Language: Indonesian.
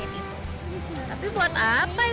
mengenai apa yang kau buat